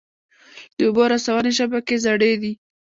د اوبو رسونې شبکې زړې دي؟